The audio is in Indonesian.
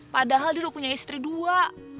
padahal dia udah punya istri dua